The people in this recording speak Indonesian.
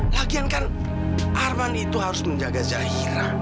latihan kan arman itu harus menjaga zahira